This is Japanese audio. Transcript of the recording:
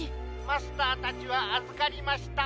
☎マスターたちはあずかりました。